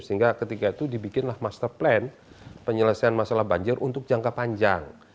sehingga ketika itu dibikinlah master plan penyelesaian masalah banjir untuk jangka panjang